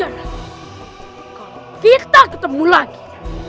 kalau kita ketemu lagi